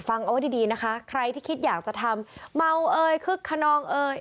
ฟังเอาไว้ดีดีนะคะใครที่คิดอยากจะทำเมาเอ่ยคึกขนองเอ่ย